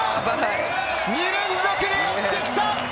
２連続でやってきた！